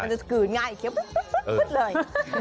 มันถึงจะหงาง่ายเครียบหึ้ดขึ้ดเลย